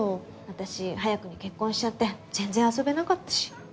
私早くに結婚しちゃって全然遊べなかったし。